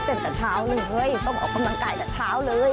เต็มตั้งเช้าเลยเฮ้ยต้องออกกำลังกายตั้งเช้าเลย